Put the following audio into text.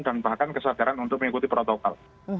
dan bahkan kesadaran untuk mengikuti protokol